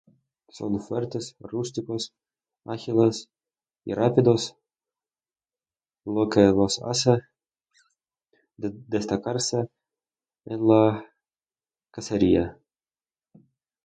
Son fuertes, rústicos, ágiles, y rápidos, lo que los hace destacarse en la cacería.